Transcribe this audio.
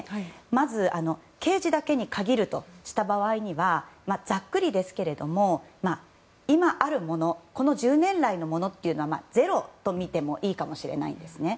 まず刑事だけに限るとした場合にはざっくりですけれども今あるものこの１０年来のものはゼロと見てもいいかもしれないんですね。